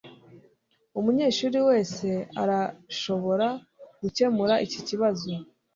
Umunyeshuri wese arashobora gukemura iki kibazo.